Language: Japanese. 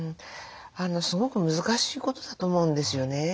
すごく難しいことだと思うんですよね。